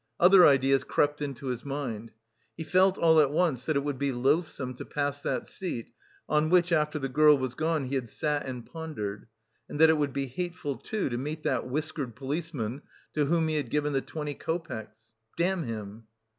Other ideas crept into his mind. He felt all at once that it would be loathsome to pass that seat on which after the girl was gone, he had sat and pondered, and that it would be hateful, too, to meet that whiskered policeman to whom he had given the twenty copecks: "Damn him!"